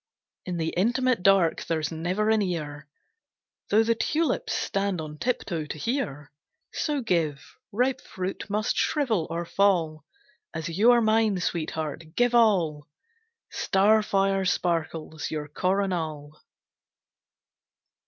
In the intimate dark there's never an ear, Though the tulips stand on tiptoe to hear, So give; ripe fruit must shrivel or fall. As you are mine, Sweetheart, give all! Starfire sparkles, your coronal.